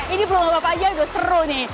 ini belum apa apa aja gue seru nih